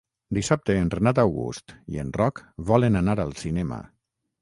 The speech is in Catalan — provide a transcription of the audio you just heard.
Dissabte en Renat August i en Roc volen anar al cinema.